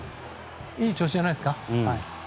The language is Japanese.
いい調子じゃないですか。